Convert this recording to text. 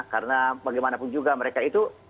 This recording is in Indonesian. karena bagaimanapun juga mereka itu